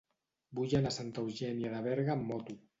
Vull anar a Santa Eugènia de Berga amb moto.